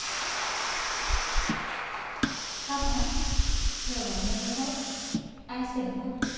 パパ今日はおめでとう愛してるよ。